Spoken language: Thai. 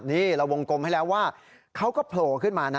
นี่เราวงกลมให้แล้วว่าเขาก็โผล่ขึ้นมานะ